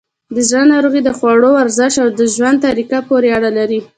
د زړه ناروغۍ د خوړو، ورزش، او ژوند طریقه پورې اړه لري.